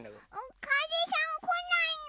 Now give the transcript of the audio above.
かぜさんこないの。